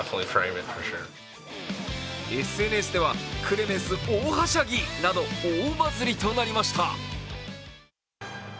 ＳＮＳでは、クレメンスおおはしゃぎなど大バズりとなりました。